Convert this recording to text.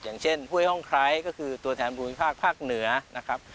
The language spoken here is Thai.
อย่างเช่นห้วยห้องไคร้ก็คือตัวแทนภูมิภาคภาคเหนือนะครับ